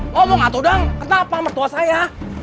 ngomong atuh dang kenapa mertua saya